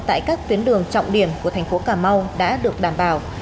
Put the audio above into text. tại các tuyến đường trọng điểm của tp hcm đã được đảm bảo